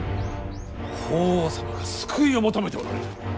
法皇様が救いを求めておられる。